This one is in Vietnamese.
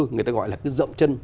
người ta gọi là cái rộng chân